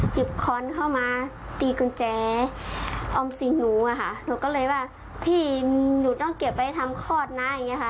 คอนเข้ามาตีกุญแจออมสินหนูอะค่ะหนูก็เลยว่าพี่หนูต้องเก็บไว้ทำคลอดนะอย่างเงี้ค่ะ